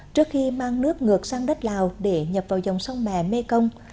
trước khi mang nước ngược sang đất lào để nhập vào dòng sông mè mê công